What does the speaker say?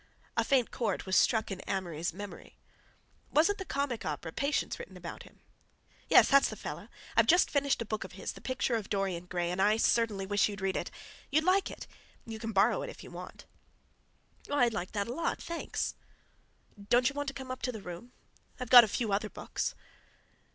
A faint chord was struck in Amory's memory. "Wasn't the comic opera, 'Patience,' written about him?" "Yes, that's the fella. I've just finished a book of his, 'The Picture of Dorian Gray,' and I certainly wish you'd read it. You'd like it. You can borrow it if you want to." "Why, I'd like it a lot—thanks." "Don't you want to come up to the room? I've got a few other books."